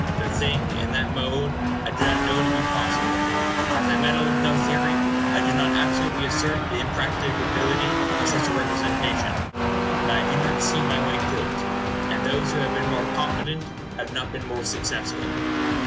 The thing, in that mode, I do not know to be possible. As I meddle with no theory, I do not absolutely assert the impracticability of such a representation; but I do not see my way to it, and those who have been more confident have not been more successful.